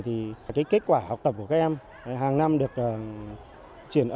thì kết quả học tập của các em hàng năm được triển